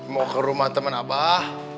mau ke rumah teman abah